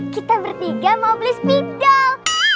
kita bertiga mau beli sepeda